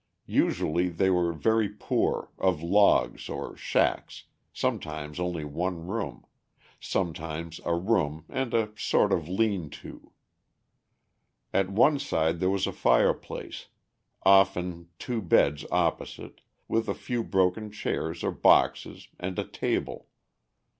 Usually they were very poor, of logs or shacks, sometimes only one room, sometimes a room and a sort of lean to. At one side there was a fireplace, often two beds opposite, with a few broken chairs or boxes, and a table.